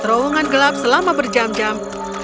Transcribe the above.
terowongan gelap selama berjam jam